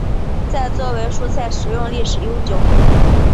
芹菜作为蔬菜食用历史悠久。